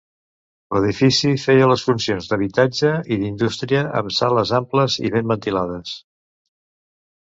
L'edifici feia les funcions d’habitatge i d’indústria, amb sales amples i ben ventilades.